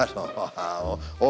eh enggak dong